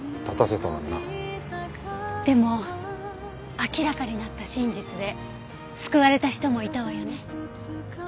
でも明らかになった真実で救われた人もいたわよね？